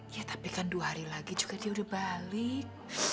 ya tapi kan dua hari lagi juga dia udah balik